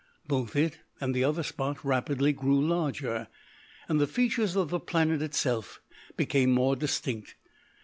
Both it and the other spot rapidly grew larger, and the features of the planet itself became more distinct.